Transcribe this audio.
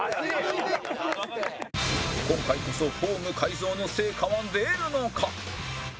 今回こそフォーム改造の成果は出るのか？